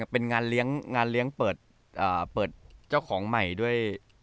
เป็นงานเลี้ยงเปิดเจ้าของใหม่ด้วย